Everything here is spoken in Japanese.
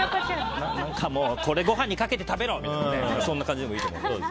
これご飯にかけて食べろ！みたいな感じでもいいと思います。